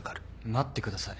待ってください。